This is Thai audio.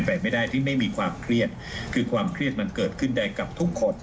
ไปไม่ได้ที่ไม่มีความเครียดคือความเครียดมันเกิดขึ้นได้กับทุกคน